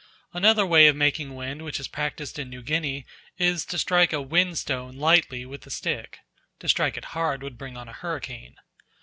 Another way of making wind which is practised in New Guinea is to strike a "wind stone" lightly with a stick; to strike it hard would bring on a hurricane.